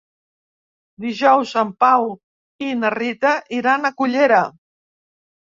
Dijous en Pau i na Rita iran a Cullera.